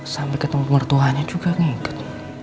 sambil ketemu pemertuanya juga ngikut